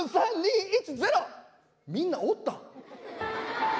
みんなおったん？